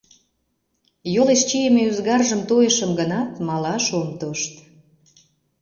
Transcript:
Йолеш чийыме ӱзгаржым тойышым гынат, малаш ом тошт.